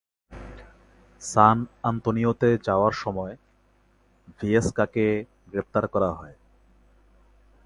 সান আন্তোনিওতে যাওয়ার সময় ভিয়েস্কাকে গ্রেপ্তার করা হয়।